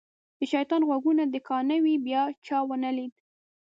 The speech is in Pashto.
د شیطان غوږونه دې کاڼه وي بیا چا ونه لید.